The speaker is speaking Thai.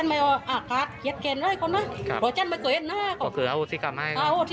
สังคมสิ่งทางโดนวิจิปุ่น